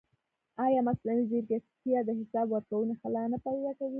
ایا مصنوعي ځیرکتیا د حساب ورکونې خلا نه پیدا کوي؟